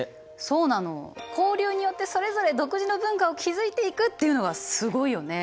そうなの交流によってそれぞれ独自の文化を築いていくっていうのがすごいよね。